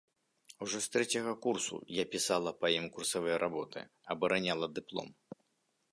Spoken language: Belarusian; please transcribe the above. Ужо з трэцяга курсу я пісала па ім курсавыя работы, абараняла дыплом.